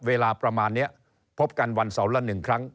เวลาประมาณนี้พบกันวันเสาร์ละ๑ครั้ง